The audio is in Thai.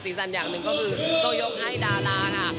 ซีสันอย่างนึงก็คือโตยกให้ดาราค่ะ